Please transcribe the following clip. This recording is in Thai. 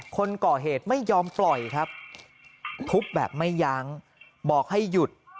คนก่อเหตุไม่ยอมปล่อยครับทุบแบบไม่ยั้งบอกให้หยุด